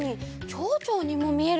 ちょうちょうにもみえるね。